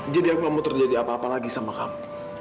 jadi aku gak mau terjadi apa apa lagi sama kamu